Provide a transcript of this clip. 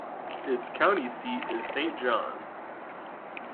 Its county seat is Saint John.